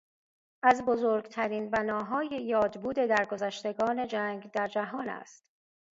از بزرگترین بناهای یادبود درگذشتگان جنگ در جهان است.